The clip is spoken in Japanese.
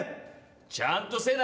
ちゃんとせな。